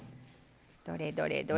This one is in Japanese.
どれどれどれ。